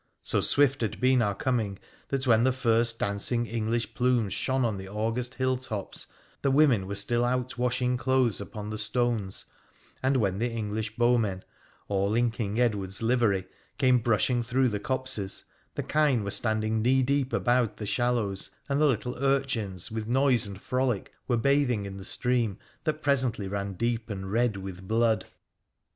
So swift had been our coming that when the first dancing English plumes shone on the August hill tops the women were still out washing clothes upon the stones, and when the English bowmen, all in King Edward's livery, camo brushing through the copses, the kine were standing knee deep about the shallows, and the little urchins, with noise and frolic, were bathing in the stream that presently ran deep and red with blood.